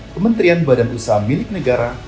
kementerian badan usaha milik negara